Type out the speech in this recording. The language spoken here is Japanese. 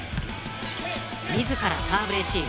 自らサーブレシーブ。